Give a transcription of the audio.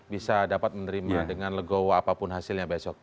bisa dapat menerima dengan legowo apapun hasilnya besok